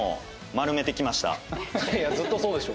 ずっとそうでしょ。